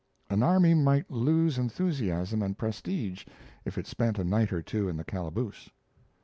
An army might lose enthusiasm and prestige if it spent a night or two in the calaboose.